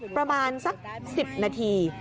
ประมาณสัก๑๐นาที